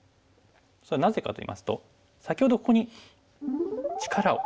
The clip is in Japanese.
それはなぜかといいますと先ほどここに力をためましたよね。